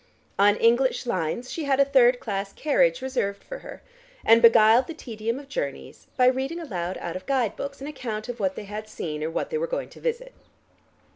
On English lines she had a third class carriage reserved for her and beguiled the tedium of journeys by reading aloud out of guide books an account of what they had seen or what they were going to visit.